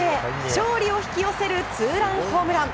勝利を引き寄せるツーランホームラン。